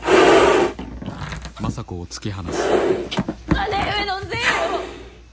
姉上のせいよ！